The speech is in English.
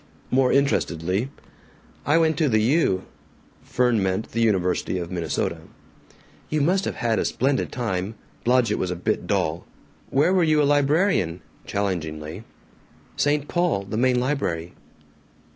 More interestedly, "I went to the U." Fern meant the University of Minnesota. "You must have had a splendid time. Blodgett was a bit dull." "Where were you a librarian?" challengingly. "St. Paul the main library."